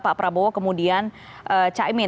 pak prabowo kemudian caimin